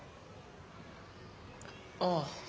ああ。